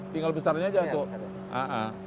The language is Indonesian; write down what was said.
tinggal besarnya saja dato'